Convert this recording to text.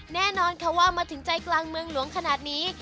แน่นอนค่ะว่ามาถึงใจกลางเมืองหลวงขนาดนี้